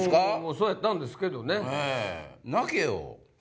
そうやったんですけどね。